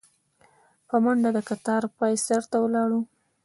په منډه د کتار پاى سر ته ولاړو.